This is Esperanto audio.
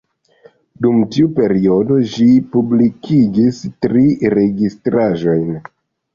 Dum tiu periodo, ĝi publikigis tri registraĵojn.